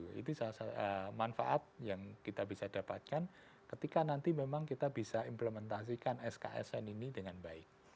jadi itu adalah manfaat yang kita bisa dapatkan ketika nanti memang kita bisa implementasikan sksn ini dengan baik